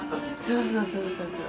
そうそうそうそう。